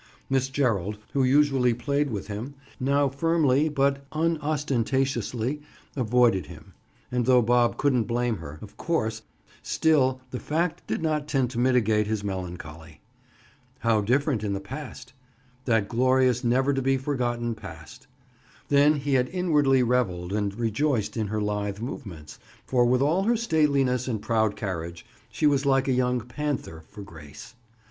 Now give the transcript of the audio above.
Miss Gerald, who usually played with him, now firmly but unostentatiously, avoided him, and though Bob couldn't blame her, of course, still the fact did not tend to mitigate his melancholy. How different in the past!—that glorious, never to be forgotten past! Then he had inwardly reveled and rejoiced in her lithe movements—for with all her stateliness and proud carriage, she was like a young panther for grace.